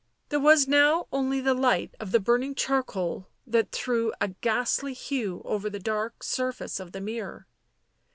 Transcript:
There was now only the light of the burning charcoal that threw a ghastly hue over the dark surface of the mirror.